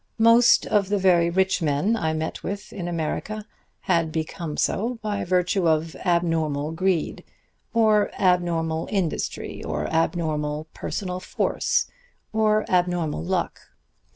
"Most of the very rich men I met with in America had become so by virtue of abnormal greed, or abnormal industry, or abnormal personal force, or abnormal luck.